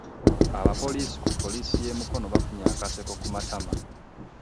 Abapoliisi ku poliisi y'e Mukono, bafunye akaseko ku matama